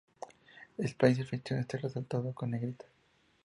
El país anfitrión está resaltado con negrita.